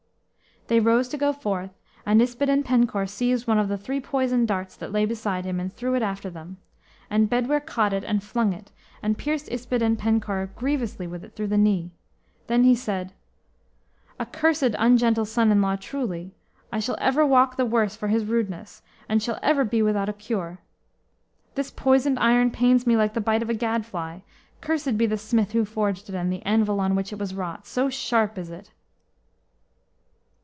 They rose to go forth, and Yspadaden Penkawr seized one of the three poisoned darts that lay beside him, and threw it after them. And Bedwyr caught it, and flung it, and pierced Yspadaden Penkawr grievously with it through the knee. Then he said, "A cursed ungentle son in law, truly! I shall ever walk the worse for his rudeness, and shall ever be without a cure. This poisoned iron pains me like the bite of a gad fly. Cursed be the smith who forged it, and the anvil on which it was wrought! So sharp is it!"